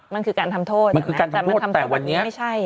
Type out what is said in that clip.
มันคือการทำโทษแต่วันนี้